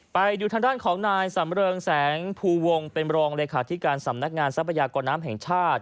ไปดูทางด้านของนายสำเริงแสงภูวงเป็นรองเลขาธิการสำนักงานทรัพยากรน้ำแห่งชาติ